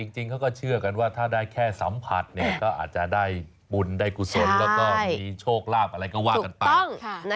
จริงเขาก็เชื่อกันว่าถ้าได้แค่สัมผัสก็อาจจะได้บุญได้กุศลแล้วก็มีโชคลาภอะไรก็ว่ากันไป